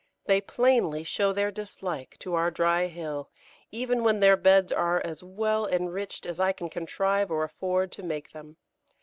They plainly show their dislike to our dry hill, even when their beds are as well enriched as I can contrive or afford to make them.